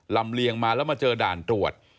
เลียงมาแล้วมาเจอด่านตรวจ